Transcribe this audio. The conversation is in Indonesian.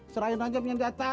serahin aja yang diatas